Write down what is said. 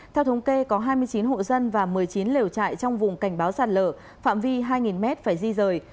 theo thống kê có hai mươi chín hộ dân và một mươi chín lều trại trong vùng cảnh báo sạt lở phạm vi hai mét phải di rời